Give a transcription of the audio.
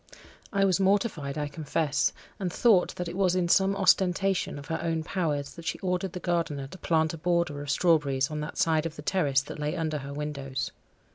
I was mortified, I confess, and thought that it was in some ostentation of her own powers that she ordered the gardener to plant a border of strawberries on that side of the terrace that lay under her windows.